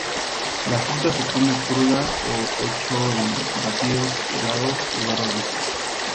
La fruta se come cruda o hecho en batidos, helados y barras de fruta.